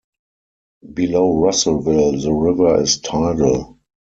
Below Russellville the river is tidal.